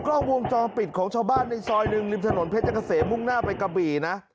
กล้องวงจรปิดของชาวบ้านในซอยหนึ่งริมถนนเพชรเกษมมุ่งหน้าไปกะบี่นะ